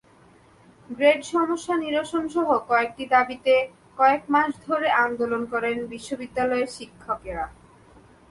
Grade সমস্যা নিরসনসহ কয়েকটি দাবিতে কয়েক মাস ধরে আন্দোলন করেন বিশ্ববিদ্যালয়ের শিক্ষকেরা।